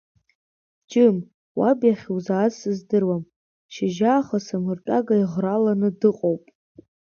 Џьым, уаб иахьа изааз сыздыруам, шьыжьаахыс амыртәага иӷраланы дыҟоуп.